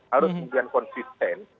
harus kemudian konsisten